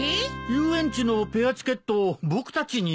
遊園地のペアチケットを僕たちに？